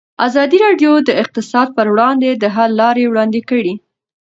ازادي راډیو د اقتصاد پر وړاندې د حل لارې وړاندې کړي.